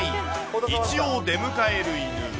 一応、出迎える犬。